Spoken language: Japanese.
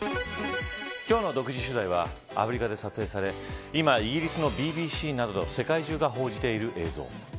今日の独自取材は、アフリカで撮影され、今イギリスのＢＢＣなどの世界中が報じている映像。